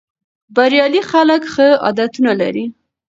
بریالي خلک ښه عادتونه لري.